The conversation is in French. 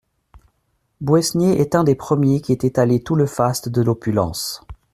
Boësnier est un des premiers qui aient étalé tout le faste de l'opulence.